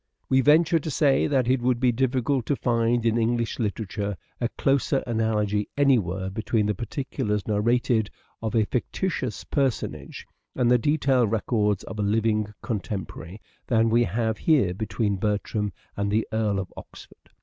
We venture to say that it would be difficult to find in English literature a closer analogy anywhere between the particulars narrated of a fictitious per sonage and the detailed records of a living contemporary than we have here between Bertram and the Earl of Oxford.